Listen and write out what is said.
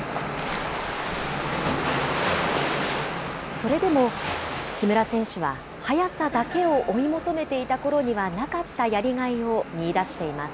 それでも木村選手は、速さだけを追い求めていたころにはなかったやりがいを見いだしています。